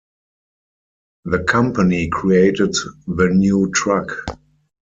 The company created the new truck.